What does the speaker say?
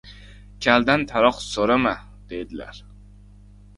Kaldan taroq so‘rama, deydilar.